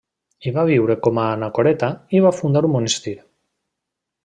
Hi va viure com a anacoreta i va fundar un monestir.